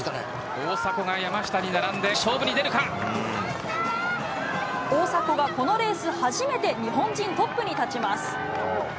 大迫が山下に並んで、勝負に大迫が、このレース初めて日本人トップに立ちます。